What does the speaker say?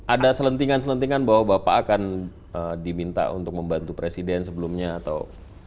ada selentingan selentingan bahwa bapak akan diminta untuk membantu presiden sebelumnya atau